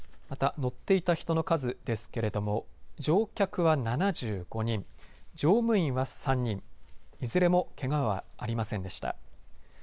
また、乗っていた人の数ですけれども乗客は７５人乗務員は３人いずれもけがはありませんでした。